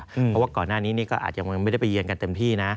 เพราะว่าก่อนหน้านี้นี่ก็อาจจะยังไม่ได้ไปเยือนกันเต็มที่นะ